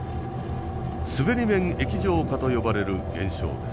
滑り面液状化と呼ばれる現象です。